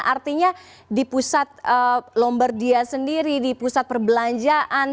artinya di pusat lombardia sendiri di pusat perbelanjaan